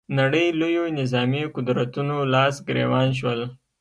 نړۍ لویو نظامي قدرتونو لاس ګرېوان شول